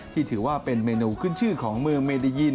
ถือว่าเป็นเมนูขึ้นชื่อของเมืองเมดียิน